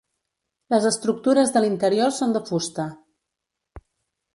Les estructures de l'interior són de fusta.